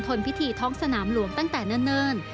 ทนพิธีท้องสนามหลวงตั้งแต่เนิ่น